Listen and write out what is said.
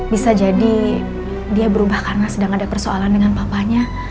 bisa jadi dia berubah karena sedih